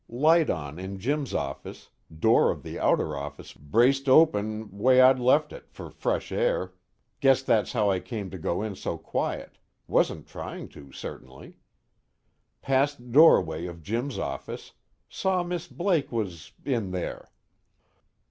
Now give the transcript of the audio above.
Light on in Jim's office, door of the outer office braced open way I'd left it, for fresh air guess that's how I came to go in so quiet, wasn't trying to, certainly. Passed doorway of Jim's office, saw Miss Blake was in there."